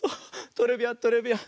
トレビアントレビアン。